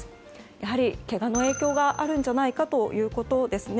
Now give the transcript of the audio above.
やはり、けがの影響があるんじゃないかということですね。